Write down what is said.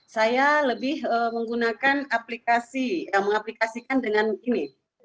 saya lebih menggunakan aplikasi mengaplikasikan dengan ini